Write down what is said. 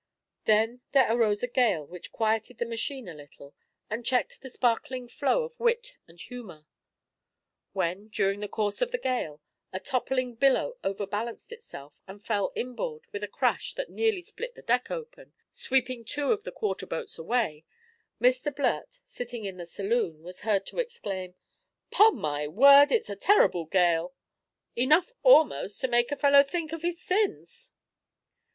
Then there arose a gale which quieted the machine a little, and checked the sparkling flow of wit and humour. When, during the course of the gale, a toppling billow overbalanced itself and fell inboard with a crash that nearly split the deck open, sweeping two of the quarterboats away, Mr Blurt, sitting in the saloon, was heard to exclaim: "'Pon my word, it's a terrible gale enough almost to make a fellow think of his sins."